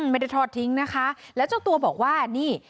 ไม่ได้ทอดทิ้งนะคะแล้วเจ้าตัวบอกว่านี่